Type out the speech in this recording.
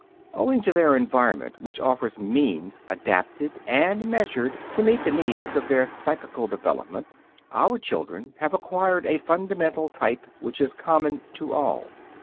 Owing to their environment which offers means adapted and measured to meet the needs of their psychical development, our children have acquired a fundamental type which is common to all.